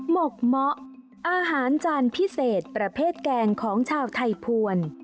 หกเมาะอาหารจานพิเศษประเภทแกงของชาวไทยภวร